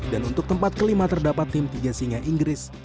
dan untuk tempat kelima terdapat tim tiga singa inggris